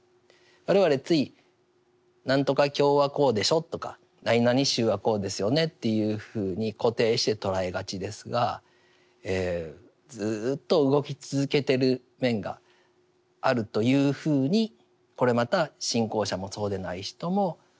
我々つい何とか教はこうでしょとかなになに宗はこうですよねっていうふうに固定して捉えがちですがずっと動き続けている面があるというふうにこれまた信仰者もそうでない人も見ていった方がいい。